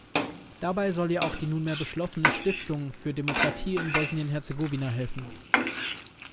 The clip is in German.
Dabei soll ihr auch die nunmehr beschlossene Stiftung für Demokratie in Bosnien-Herzegowina helfen.